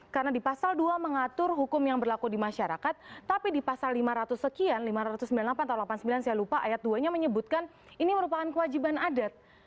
karena di pasal dua mengatur hukum yang berlaku di masyarakat tapi di pasal lima ratus sekian lima ratus sembilan puluh delapan atau delapan ratus delapan puluh sembilan saya lupa ayat dua nya menyebutkan ini merupakan kewajiban adat